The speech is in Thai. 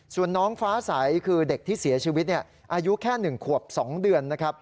ส่วนน้องฟ้าใสคือเด็กที่เสียชีวิตอายุแค่๑ขวบ๒เดือนนะครับ